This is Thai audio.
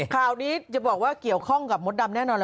ข่าวนี้จะบอกว่าเกี่ยวข้องกับมดดำแน่นอน